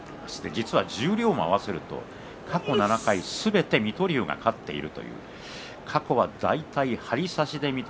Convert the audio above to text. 実は十両も合わせると過去７回すべて水戸龍が勝っている。